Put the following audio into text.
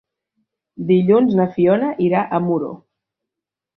Dilluns na Fiona irà a Muro.